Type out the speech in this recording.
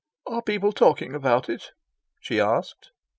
"Are people talking about it?" she asked.